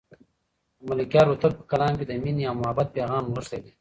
د ملکیار هوتک په کلام کې د مینې او محبت پیغام نغښتی دی.